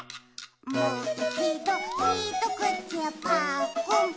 「もういちどひとくちぱっくん」ま。